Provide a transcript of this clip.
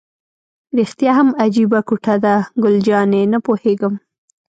رښتیا هم عجیبه کوټه ده، ګل جانې: نه پوهېږم.